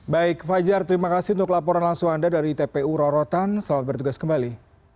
baik fajar terima kasih untuk laporan langsung anda dari tpu rorotan selamat bertugas kembali